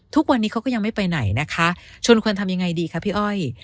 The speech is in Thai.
ทุกวันนี้เขาก็ยังไม่ไปไหนนะคะชวนควรทำยังไงดีคะพี่อ้อย